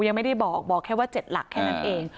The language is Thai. ยังไม่ได้บอกบอกแค่ว่า๗หลักแค่นั้นเอง